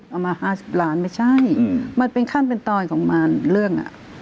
เอามา๕๐ล้านไม่ใช่มันเป็นขั้นเป็นตอนของมันเรื่องอ่ะ